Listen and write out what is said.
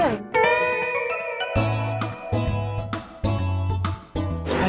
ya aku mau makan